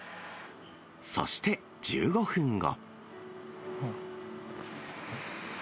そして１５分後。